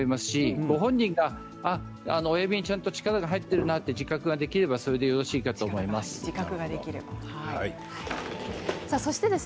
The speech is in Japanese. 本人が指にちゃんと力が入っていると自覚ができればよろしいと思います。